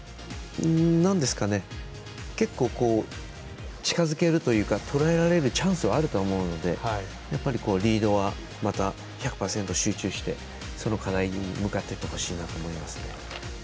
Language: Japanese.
結構、近づけるというかとらえられるチャンスはあると思うのでリードはまた１００％集中してその課題に向かっていってほしいなと思いますね。